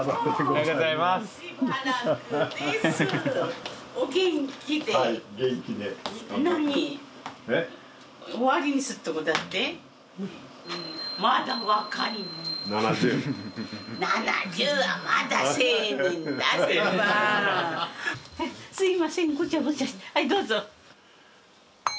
はいどうぞ。